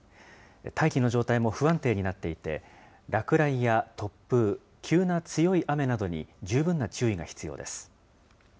大気の状態も不安定になっていて、落雷や突風、急な強い雨などに十分な注意が必要です。